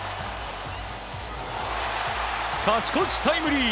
勝ち越しタイムリー！